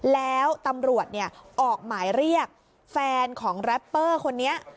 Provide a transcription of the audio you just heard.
แล้วตำรวจออกหมายเรียกแฟนของแรปเปอร์คนนี้